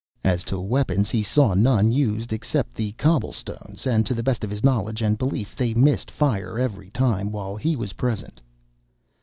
As to weapons, he saw none used except the cobble stones, and to the best of his knowledge and belief they missed fire every time while he was present.)